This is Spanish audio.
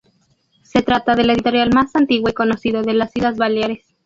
Se trata de la editorial más antigua y conocida de las Islas Baleares.